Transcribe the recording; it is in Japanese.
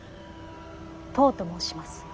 トウと申します。